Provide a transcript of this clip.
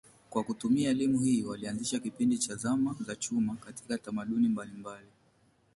Kwa kutumia elimu hii walianzisha kipindi cha zama za chuma katika tamaduni mbalimbali.